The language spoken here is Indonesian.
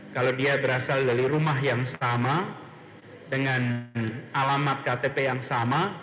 kalau dia berasal dari rumah yang sama dengan alamat ktp yang sama